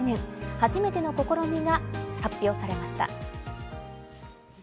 初めての試みが発表されました。